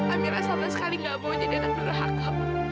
amira sama sekali nggak mau jadi anak duraka